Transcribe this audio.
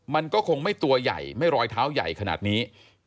มันก็คงไม่ตัวใหญ่ไม่รอยเท้าใหญ่ขนาดนี้